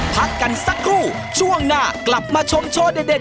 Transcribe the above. พักกันสักครู่ช่วงหน้ากลับมาชมโชว์เด็ด